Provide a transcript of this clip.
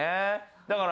だから。